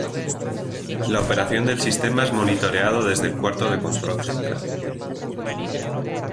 La operación del sistema es monitoreado desde el cuarto de control central.